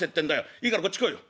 いいからこっち来いよ」。